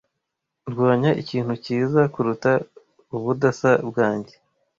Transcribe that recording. Ndwanya ikintu cyiza kuruta ubudasa bwanjye,